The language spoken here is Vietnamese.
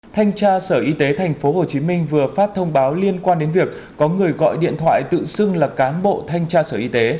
thanh tra sở y tế tp hcm vừa phát thông báo liên quan đến việc có người gọi điện thoại tự xưng là cán bộ thanh tra sở y tế